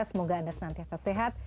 semoga anda senantiasa sehat